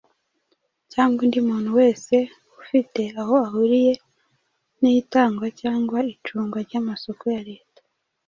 cyangwa undi muntu wese ufite aho ahuriye n’itangwa cyangwa icungwa ry’amasoko ya Leta